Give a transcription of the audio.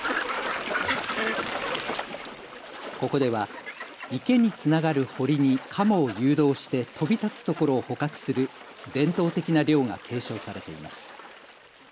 ここでは池につながる堀にかもを誘導して飛び立つところを捕獲する伝統的な猟が継承されています。